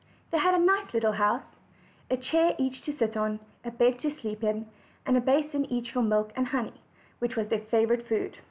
They had a nice little house; a chair each to sit on, a bed to sleep in, and a basin each for milk and honey, which was their favorite food.